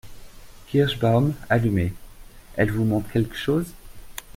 Kirschbaum, allumé. — Elle vous montre quelqu’ chose ?